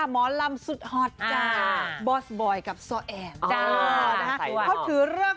มันปั้งอีหรอกอีเหลือก